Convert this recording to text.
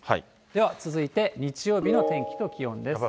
では続いて日曜日の天気と気温です。